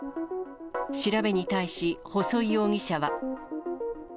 調べに対し、細井容疑者は。